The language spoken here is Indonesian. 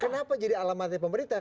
kenapa jadi alamatnya pemerintah